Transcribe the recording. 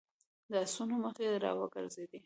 د آسونو مخې را وګرځېدې.